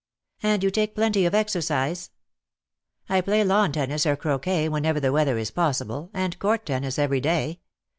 "And you take plenty of exercise." "I play lawn tennis or croquet whenever the weather is possible, and court tennis every day.